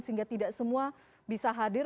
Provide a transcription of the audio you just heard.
sehingga tidak semua bisa hadir